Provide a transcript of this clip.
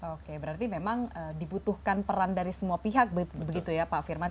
oke berarti memang dibutuhkan peran dari semua pihak begitu ya pak firman